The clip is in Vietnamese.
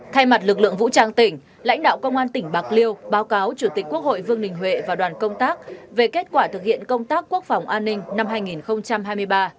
thay mặt lực lượng vũ trang tỉnh lãnh đạo công an tỉnh bạc liêu báo cáo chủ tịch quốc hội vương đình huệ và đoàn công tác về kết quả thực hiện công tác quốc phòng an ninh năm hai nghìn hai mươi ba